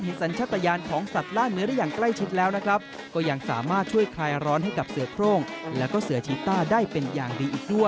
แต่ที่จังหวัดราชบุรีอันนี้ไม่ต้องบังคับเลยนะครับ